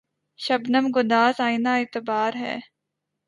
شبنم‘ گداز آئنۂ اعتبار ہے